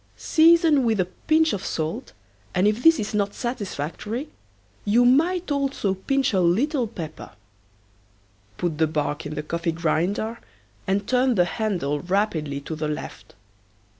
Season with a pinch of salt, and if this is not satisfactory, you might also pinch a little pepper. Put the bark in the coffee grinder and turn the handle rapidly to the left.